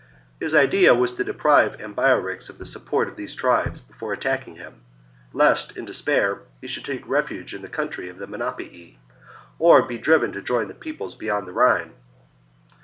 His idea Asapre was to deprive Ambiorix of the support of these stTp?h7 tribes before attacking him, lest, in despair, he ^glinsTthe should take refuge in the country of the Menapii, ^"^^"' or be driven to join the peoples beyond the Rhine.